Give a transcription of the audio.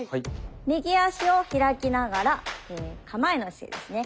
右足を開きながら構えの姿勢ですね。